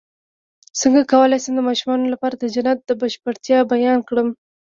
څنګه کولی شم د ماشومانو لپاره د جنت د بشپړتیا بیان کړم